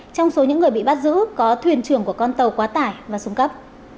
trong số những người bị bắt giữ có thuyền trường của con tàu quá tải và súng cấp